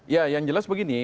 ya yang jelas begini